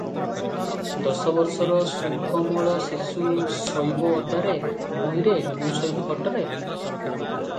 ଦଶ ବର୍ଷର ସୁକୋମଳ ଶିଶୁ ଶୋଇବ ଓଦାରେ, ଭୂଇଁରେ, ମୁଁ ଶୋଇବି ଖଟରେ?